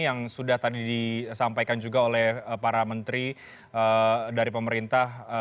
yang sudah tadi disampaikan juga oleh para menteri dari pemerintah